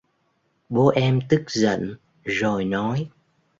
bố em tức giận rồi nói